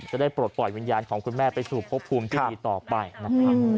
จะได้ปลดปล่อยวิญญาณของคุณแม่ไปสู่พบภูมิที่ดีต่อไปนะครับ